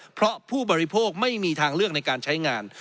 เพราะผู้บริโภคไม่มีทางเลือกในการใช้งาน